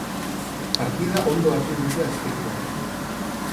Partida ondo hasi dute azpeitiarrek.